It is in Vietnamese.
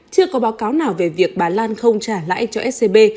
chưa có báo cáo nào về việc bà lan không trả lãi cho scb